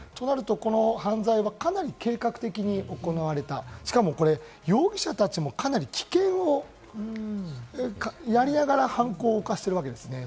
この犯罪はかなり計画的に行われた、しかも容疑者たちも、かなり危険をやりながら犯行を犯しているわけですね。